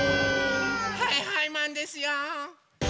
はいはいマンですよ！